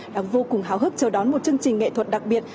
đang vô cùng hào hức chờ đón một chương trình nghệ thuật đặc biệt